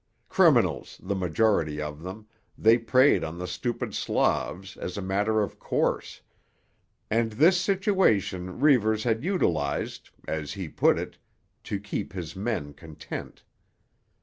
Criminals, the majority of them, they preyed on the stupid Slavs as a matter of course; and this situation Reivers had utilised, as he put it, "to keep his men content."